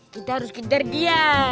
kita harus kitar dia